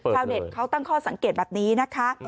ชาวเน็ตเขาตั้งข้อสังเกตแบบนี้นะคะ